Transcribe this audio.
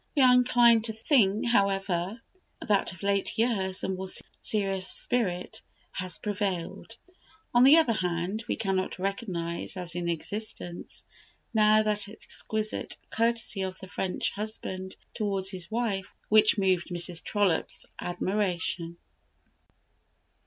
We are inclined to think, however, that of late years a more serious spirit has prevailed. On the other hand, we cannot recognize as in existence now that exquisite courtesy of the French husband towards his wife which moved Mrs. Trollope's admiration.